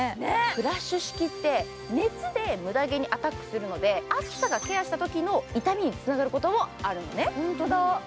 フラッシュ式って、熱で無駄毛にアタックするので、熱さがケアしたときの痛みになることがあるのね。